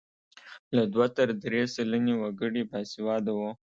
له دوه تر درې سلنې وګړي باسواده وو.